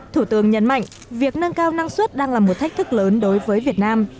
thủ tướng nhấn mạnh việc nâng cao năng suất đang là một thách thức lớn đối với việt nam